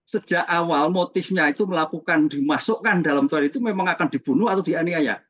sejak awal motifnya itu melakukan dimasukkan dalam tuan itu memang akan dibunuh atau dianiaya